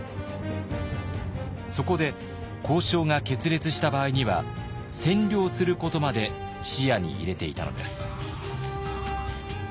そこで交渉が決裂した場合には占領することまで視野に入れていたのです。